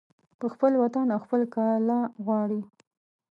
په خپل وطن او خپل کاله غواړي